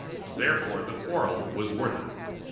Therefore the quarrel was worth it.